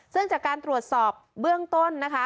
ซึ่งจากการตรวจสอบเบื้องต้นนะคะ